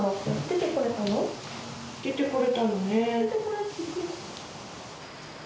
出て来れたのね。